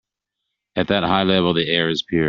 At that high level the air is pure.